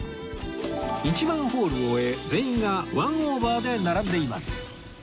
１番ホールを終え全員が１オーバーで並んでいます